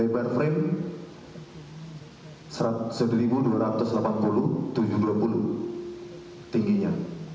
lebar frame seribu dua ratus delapan puluh x tujuh ratus dua puluh tingginya